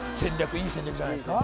いい戦略じゃないですか？